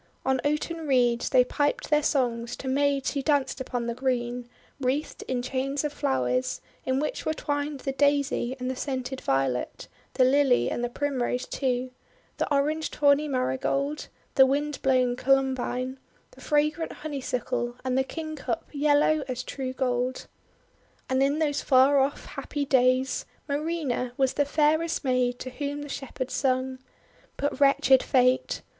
On oaten reeds they piped their songs to maids w7ho danced upon the green, wreathed in chains of flowers, in which were twined the Daisy and the scented Violet, the Lily and the Primrose, too, the orange tawny Marigold, the wind blown Columbine, the fragrant Honeysuckle, and the Kingcup yellow as true gold. PAN'S SONG 101 And in those far off happy days, Marina was the fairest maid to whom the Shepherds sung. But wretched fate!